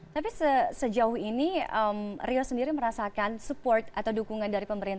tapi sejauh ini rio sendiri merasakan support atau dukungan dari pemerintah